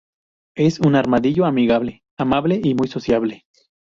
Es un armadillo amigable, amable y muy sociable.